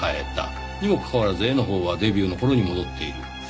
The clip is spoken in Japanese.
にもかかわらず絵のほうはデビューの頃に戻っている。